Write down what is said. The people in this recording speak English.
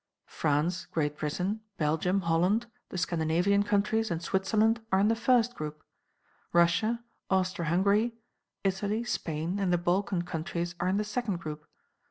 France, Great Britain, Belgium, Holland, the Scandinavian countries, and Switzerland are in the first group. Russia, Austro Hungary, Italy, Spain, and the Balkan countries are in the second group.